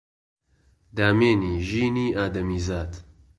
دامێنی ژینی ئادەمیزاد